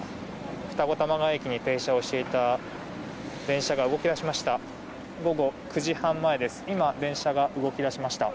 二子玉川駅に停車していた電車が動き出しました。